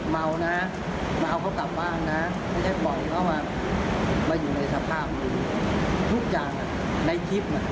การคำนวณเฉลี่ยเฉลี่ยจะเป็นคนที่จ้องที่ถ้าง